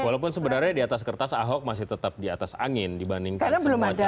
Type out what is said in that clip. walaupun sebenarnya di atas kertas ahok masih tetap di atas angin dibandingkan semua calon